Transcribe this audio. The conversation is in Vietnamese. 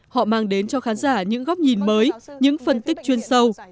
họ mang đến cho khán giả những góc nhìn mới những phân tích chuyên sâu